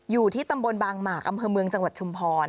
อยู่ที่ตำบลบางหมากอำเภอเมืองจังหวัดชุมพร